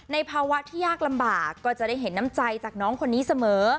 ภาวะที่ยากลำบากก็จะได้เห็นน้ำใจจากน้องคนนี้เสมอ